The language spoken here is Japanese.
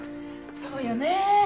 そうよね。